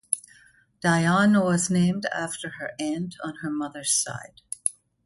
Dionne was named after her aunt on her mother's side.